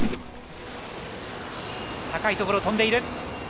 高いところを飛んでいる。